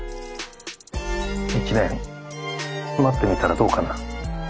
１年待ってみたらどうかな？